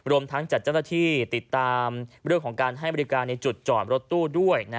ทั้งจัดเจ้าหน้าที่ติดตามเรื่องของการให้บริการในจุดจอดรถตู้ด้วย